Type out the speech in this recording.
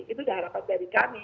itu sudah harapan dari kami